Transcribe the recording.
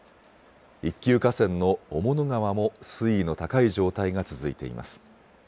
１級河川の雄物川も水位の高い状態が続いています。